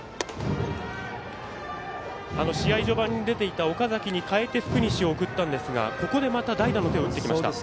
試合序盤に出ていた岡崎に代えて福西を送ったんですがここでまた代打の手を打ってきました。